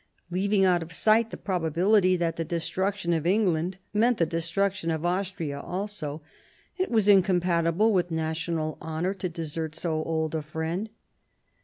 Leaving out of sight the probability that the destruc tion of England meant the destruction of Austria also, it was incompatible with national honour to desert so old a friend.